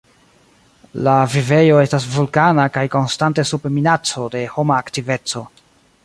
La vivejoj estas vulkana kaj konstante sub minaco de homa aktiveco.